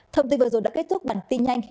thông tin vừa rồi đã kết thúc bản tin nhanh